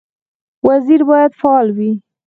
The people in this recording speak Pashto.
وزیر باید فعال وي